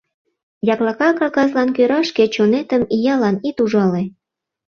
— Яклака кагазлан кӧра шке чонетым иялан ит ужале.